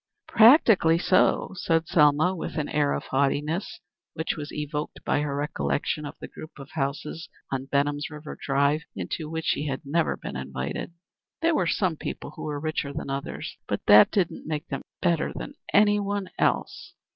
"Practically so," said Selma, with an air of haughtiness, which was evoked by her recollection of the group of houses on Benham's River Drive into which she had never been invited. "There were some people who were richer than others, but that didn't make them better than any one else."